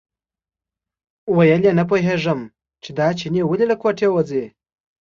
ویل یې نه پوهېږم چې دا چینی ولې له کوټې وځي.